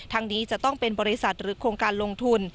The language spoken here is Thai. นี้จะต้องเป็นบริษัทหรือโครงการลงทุน